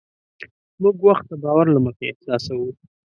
موږ وخت د باور له مخې احساسوو.